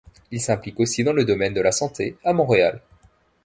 Il s'implique aussi dans le domaine de la santé à Montréal.